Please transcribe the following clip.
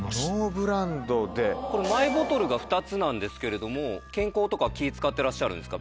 マイボトルが２つなんですけれども健康とか気使ってらっしゃるんですか？